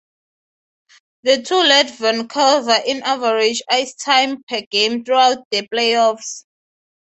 The two led Vancouver in average ice time per game throughout the playoffs.